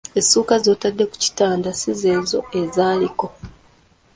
Essuuka z'otadde ku kitande si zezo ezaaliko.